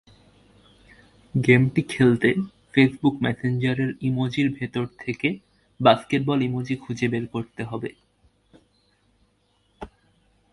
গেমটি খেলতে ফেসবুক মেসেঞ্জারের ইমোজির ভেতর থেবে বাস্কেটবল ইমোজি খুঁজে বের করতে হবে।